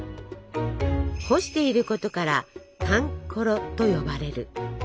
干していることから「かん」ころと呼ばれる。